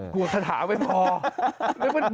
กลัวสถาไปพอ